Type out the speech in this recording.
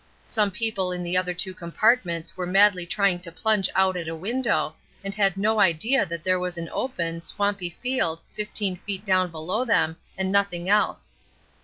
Some people in the other two compartments were madly trying to plunge out at a window, and had no idea that there was an open, swampy field fifteen feet down below them, and nothing else.